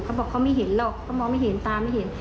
เขาบอกเขาไม่เห็นหรอกเขามองไม่เห็นตาไม่เห็น